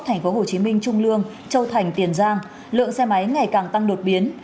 tp hcm trung lương châu thành tiền giang lượng xe máy ngày càng tăng đột biến